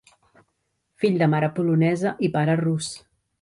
Fill de mare polonesa i pare rus.